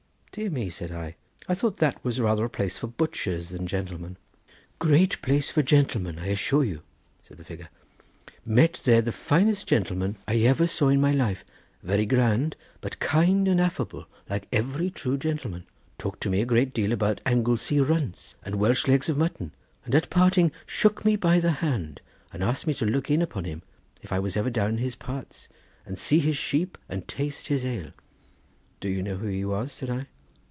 "Dear me!" said I; "I thought that was rather a place for butchers than gentlemen." "Great place for gentlemen, I assure you," said the figure; "met there the finest gentlemen I ever saw in my life; very grand, but kind and affable, like every true gentleman. Talked to me a great deal about Anglesey runts, and Welsh legs of mutton, and at parting shook me by the hand, and asked me to look in upon him, if I was ever down in his parts, and see his sheep and taste his ale." "Do you know who he was?" said I.